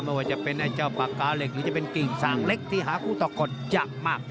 ไม่ว่าจะเป็นไอ้เจ้าปากกาเหล็กหรือจะเป็นกิ่งสางเล็กที่หาคู่ต่อกฎยากมาก